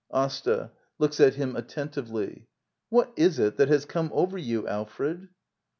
Asta. [Looks at him attentively.] What is it that has come over you, Alfred